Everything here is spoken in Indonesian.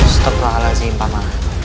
setepalah alazim paman